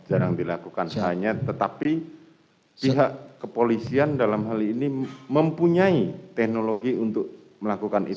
jarang dilakukan hanya tetapi pihak kepolisian dalam hal ini mempunyai teknologi untuk melakukan itu